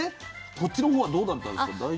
そっちの方はどうだったんですか？